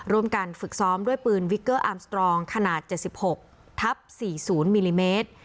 ร่วมกันฝึกซ้อมด้วยปืนวิเกอร์อาร์มสตรองขนาดเจสิบหกทับสี่ศูนย์มิลลิเมตร